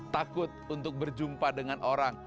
takut untuk berjumpa dengan orang